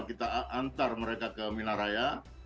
kita antar mereka ke minaraya